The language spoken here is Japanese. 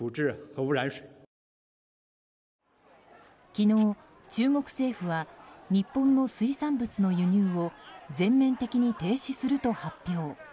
昨日、中国政府は日本の水産物の輸入を全面的に停止すると発表。